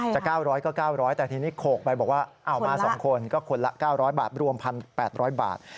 ๙๐๐ก็๙๐๐แต่ทีนี้โขกไปบอกว่ามา๒คนก็คนละ๙๐๐บาทรวม๑๘๐๐บาท